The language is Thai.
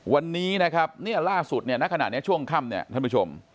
วันนี้นะครับเนี่ยล่าสุดเนี่ยณขณะนี้ช่วงค่ำเนี่ยท่านผู้ชม